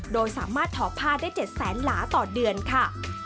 โดยสามารถทอผ้าได้๗๐๐๐๐๐หล้าตัวเดือนค่ะ